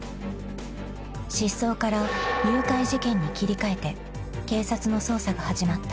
［失踪から誘拐事件に切り替えて警察の捜査が始まった。